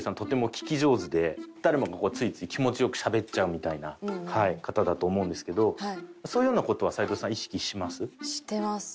誰もがついつい気持ち良くしゃべっちゃうみたいな方だと思うんですけどそういうような事は齊藤さん意識します？